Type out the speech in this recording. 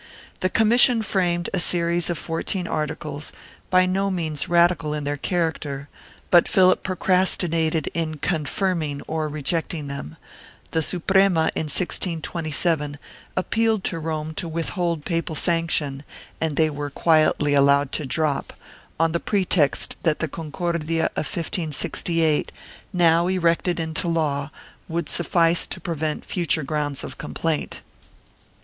The commission framed a series of fourteen articles, by no means radical in their character, but Philip procrastinated in confirming or rejecting them; the Suprema, in 1627, appealed to Rome to withhold papal sanction and they were quietly allowed to drop, on the pretext that the Concordia of 1568, now erected into law, would suffice to prevent future grounds of complaint.